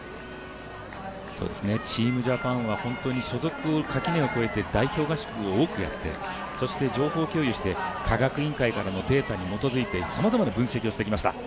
チームジャパンは所属垣根を越えて代表合宿を多くやってそして、情報共有して科学委員会からのデータに基づいてさまざまな分析をしてきました。